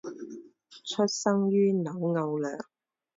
出生于纽奥良。